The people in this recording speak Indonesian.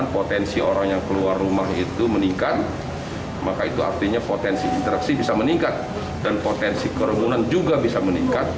potensi penyebaran bisa meningkat